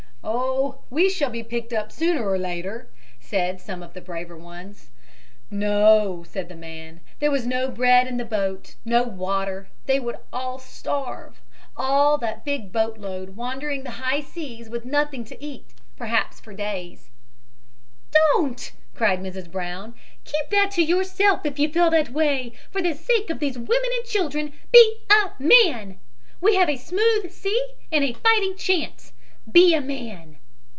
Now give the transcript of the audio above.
"Oh, we shall be picked up sooner or later," said some of the braver ones. No, said the man, there was no bread in the boat, no water; they would starve all that big boatload wandering the high seas with nothing to eat, perhaps for days. "Don't," cried Mrs. Brown. "Keep that to yourself, if you feel that way. For the sake of these women and chil dren, be a man. We have a smooth sea and a fighting chance. Be a man."